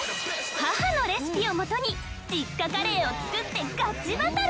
母のレシピを元に実家カレーを作ってガチバトル！